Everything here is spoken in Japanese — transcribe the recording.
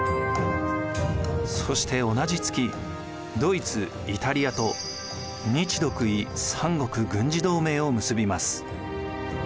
そして同じ月ドイツイタリアと日独伊三国軍事同盟を結びます。